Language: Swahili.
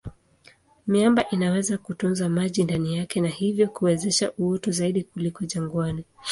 Miamba inaweza kutunza maji ndani yake na hivyo kuwezesha uoto zaidi kuliko jangwani.